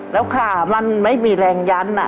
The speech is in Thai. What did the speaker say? แล้วขามันไม่มีแรงยั้น